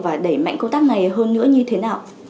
và đẩy mạnh công tác này hơn nữa như thế nào